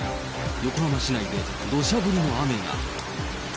横浜市内でどしゃ降りの雨が。